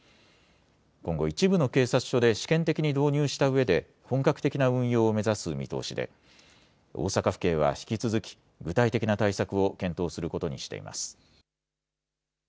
今後、一部の警察署で試験的に導入したうえで、本格的な運用を目指す見通しで、大阪府警は引き続き、具体的な対策を検討することにしています。